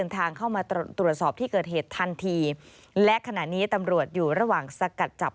ทางเข้ามาตรวจสอบที่เกิดเหตุทันทีและขณะนี้ตำรวจอยู่ระหว่างสกัดจับ